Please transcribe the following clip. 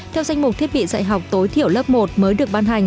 theo danh mục thiết bị dạy học tối thiểu lớp một mới được ban hành